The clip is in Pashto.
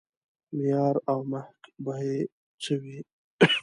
معیار او محک به یې څه وي.